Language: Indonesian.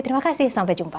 terima kasih sampai jumpa